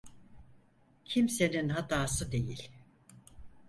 Kimsenin hatası değil.